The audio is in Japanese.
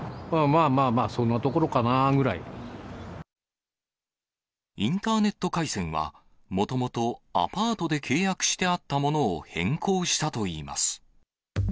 まあまあまあ、そんなところインターネット回線は、もともとアパートで契約してあったものを変更したといいます。